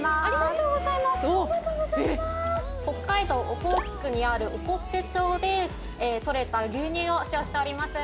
オホーツクにある興部町で取れた牛乳を使用しております。